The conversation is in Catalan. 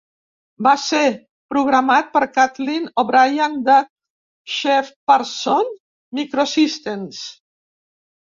Va ser programat per Kathleen O'Brien de Shepardson Microsystems.